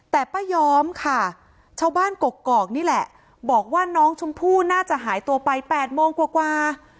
แต่ป้าย้อมค่ะชาวบ้านกกอกนี่แหละบอกว่าน้องชมพู่น่าจะหายตัวไป๘โมงกว่า